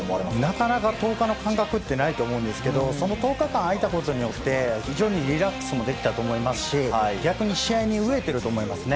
なかなか１０日間ってないと思うんですが１０日間空いたことによってリラックスできたと思いますし逆に試合に飢えていると思います。